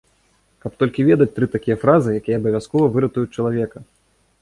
Каб толькі ведаць тры такія фразы, якія абавязкова выратуюць чалавека!